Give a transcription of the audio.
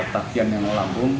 takdian yang melambung